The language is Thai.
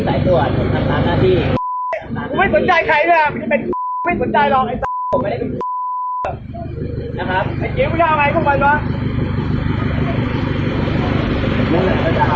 ไอ้กูไม่สนใจใครด้วยนะไม่ได้เป็นไอ้ไม่สนใจเรา